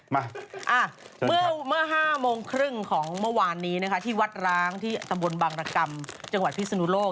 มาเมื่อ๕โมงครึ่งของเมื่อวานนี้นะคะที่วัดร้างที่ตำบลบังรกรรมจังหวัดพิศนุโลก